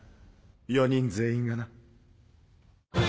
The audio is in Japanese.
４人全員がな。